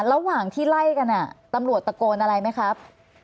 ระหว่างที่ไล่กันตำรวจตะโกนอะไรไหมครับ